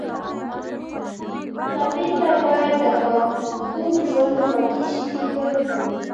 ټپي ته باید د خوږ ژوند خوږې شېبې ورکړو.